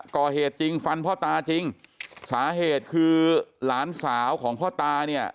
ก่อเหตุจริงฟันพ่อตาจริงสาเหตุคือหลานสาวของพ่อตาเนี่ย